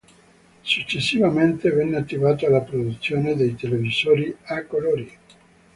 Successivamente venne attivata la produzione dei televisori a colori.